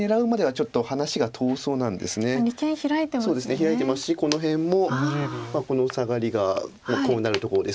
ヒラいてますしこの辺もこのサガリがこうなるところです。